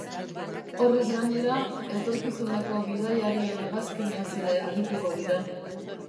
Horrez gainera, etorkizuneko bidaiarien hegazkinaz ere arituko dira.